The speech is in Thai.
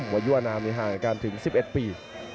วัยวนามี๕อันดัจการถึง๑๑ปี